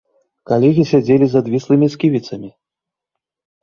Калегі сядзелі з адвіслымі сківіцамі.